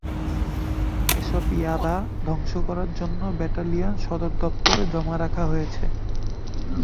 এসব ইয়াবা ধ্বংস করার জন্য ব্যাটালিয়ন সদর দপ্তরে জমা রাখা হয়েছে।